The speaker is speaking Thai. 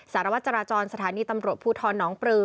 สารวัตรจราจรสถานีตำรวจภูทรน้องปลือ